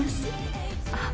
あっ。